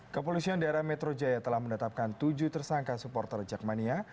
kepolisian daerah metro jaya telah menetapkan tujuh tersangka supporter jakmania